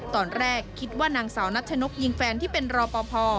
ตอนแรกคิดว่านางสาวนัชนกยิงแฟนที่เป็นรอปภ